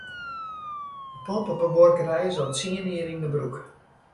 De pomp op de buorkerij is al tsien jier yn gebrûk.